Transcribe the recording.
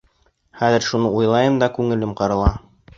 Хәҙер шуны уйлайым да күңелем ҡырыла.